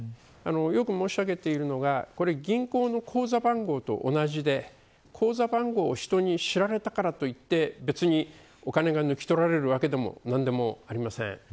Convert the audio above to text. よく申し上げているのが銀行の口座番号と同じで口座番号を人に知られたからといって別にお金が抜き取られるわけでも何でもありません。